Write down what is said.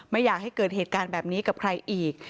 ไม่อยากให้เกิดเหตุการณ์แบบนี้กับใครอีก